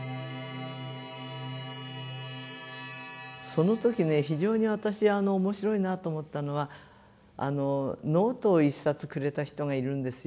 その時ね非常に私面白いなと思ったのはノートを一冊くれた人がいるんですよ。